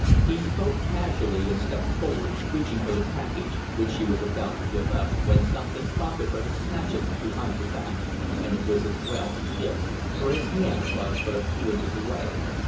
He spoke casually and stepped forward, reaching for the package, which she was about to give up, when something prompted her to snatch it behind her back; and it was well she did, for his hand was but a few inches away.